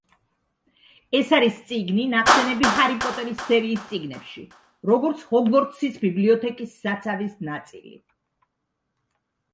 ეს არის წიგნი, ნახსენები ჰარი პოტერის სერიის წიგნებში, როგორც ჰოგვორტსის ბიბლიოთეკის საცავის ნაწილი.